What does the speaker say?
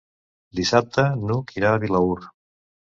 Dissabte n'Hug irà a Vilaür.